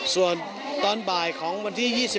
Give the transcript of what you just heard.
ส่วนตอนบ่ายของวันที่๒๔